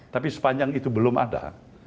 tapi sepanjang itu belum ada